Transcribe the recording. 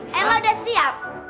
eh lo udah siap